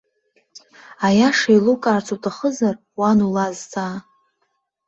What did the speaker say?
Аиаша еилукаарц уҭахызар, уан улазҵаа.